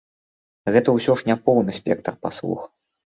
Гэта ўсё ж не поўны спектр паслуг!